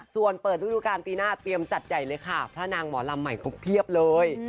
ส่วนเปิดฤดูการปีหน้าเตรียมจัดใหญ่เลยค่ะพระนางหมอลำใหม่ครบเพียบเลย